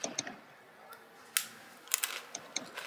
克雷默在第二次世界大战期间曾是一名伞兵中尉。